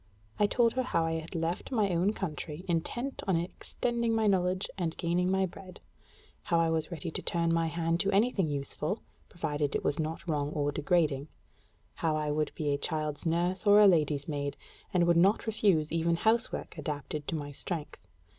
I told her how I had left my own country, intent on extending my knowledge and gaining my bread; how I was ready to turn my hand to any useful thing, provided it was not wrong or degrading: how I would be a child's nurse or a lady's maid, and would not refuse even housework adapted to my strength.